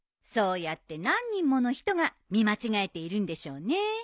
そうやって何人もの人が見間違えているんでしょうね。